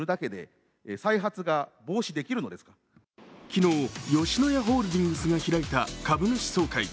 昨日、吉野家ホールディングスが開いた株主総会。